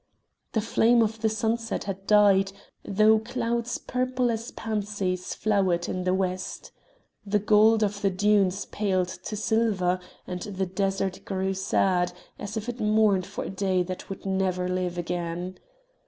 The flame of the sunset had died, though clouds purple as pansies flowered in the west. The gold of the dunes paled to silver, and the desert grew sad, as if it mourned for a day that would never live again.